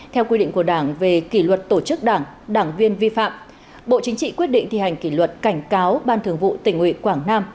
theo quy định của đảng về kỷ luật tổ chức đảng đảng viên vi phạm bộ chính trị quyết định thi hành kỷ luật cảnh cáo ban thường vụ tỉnh ủy quảng nam